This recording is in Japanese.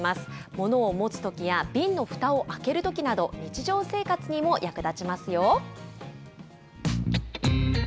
物を持つときや、瓶のふたを開けるときなど、日常生活にも役立ちますよ。